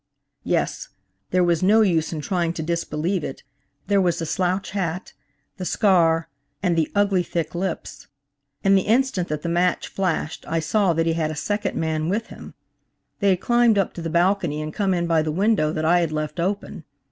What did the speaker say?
Yes, there was no use in trying to disbelieve it; there was the slouch hat, the scar and the ugly, thick lips. In the instant that the match flashed I saw that he had a second man with him. They had climbed up to the balcony and come in by the window that I had left open.